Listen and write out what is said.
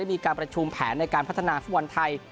มีการประชุมแผนในการพัฒนาฟุตบอลไทย